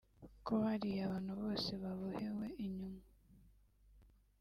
Ko hariya abantu bose babohewe inyuma